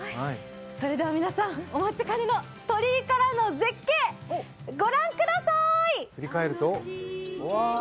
それでは皆さん、お待ちかねの鳥居からの絶景、ご覧ください。